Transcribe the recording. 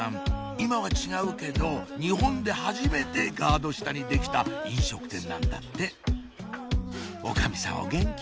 今は違うけど日本で初めてガード下にできた飲食店なんだって女将さんお元気？